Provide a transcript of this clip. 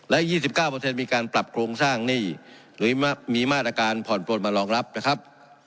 และยี่สิบเก้าเปอร์เซ็นต์มีการปรับโครงสร้างหนี้หรือมีมาตรการผ่อนโปรดมารองรับนะครับ